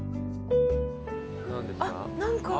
あっ何か。